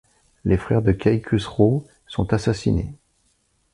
Les frères de Kay Khusraw sont assassinés.